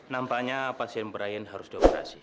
nampaknya pasien brian harus di operasi